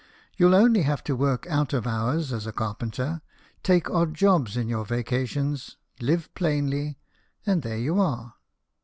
" You'll only have to work out of hours as a carpenter, take odd jobs in your vacations, live plainly, and there you are."